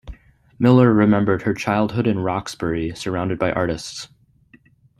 Miller remembered her childhood in Roxbury surrounded by artists.